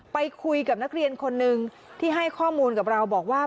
ไปคุยกับนักเรียนคนนึงที่ให้ข้อมูลกับเราบอกว่า